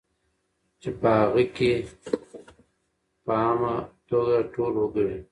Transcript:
چې په هغې کې په عامه توګه ټول وګړي